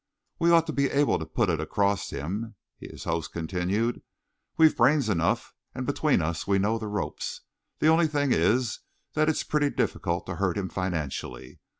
"We ought to be able to put it across him," the host continued. "We've brains enough, and between us we know the ropes. The only thing is that it's pretty difficult to hurt him financially.